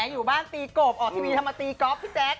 อยู่บ้านตีกบออกทีวีทำมาตีก๊อฟพี่แจ๊ค